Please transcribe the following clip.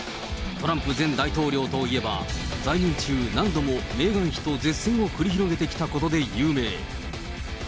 トランプ前大統領といえば、在任中、何度もメーガン妃と舌戦を繰り広げてきたことで有名。